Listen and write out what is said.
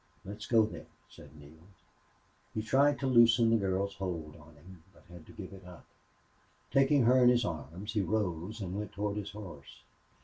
"Let's go, then," said Neale. He tried to loosen the girl's hold on him, but had to give it up. Taking her in his arms, he rose and went toward his horse.